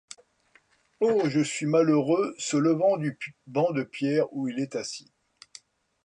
Oh! je suis malheureuxSe levant du banc de pierre où il est assis.